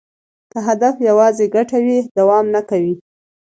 که هدف یوازې ګټه وي، دوام نه کوي.